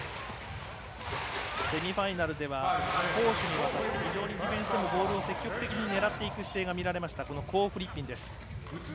セミファイナルでは攻守にわたって非常にボールを積極的に狙っていく姿勢が見られました、コーフリッピン。